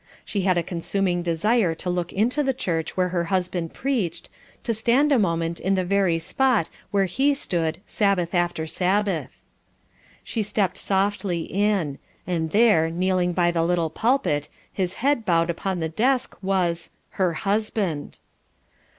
She had a consuming desire to look into the church where her husband preached, to stand a moment in the very spot where he stood Sabbath after Sabbath. She stepped softly in, and there, kneeling by the little pulpit, his head bowed upon the desk, was her husband!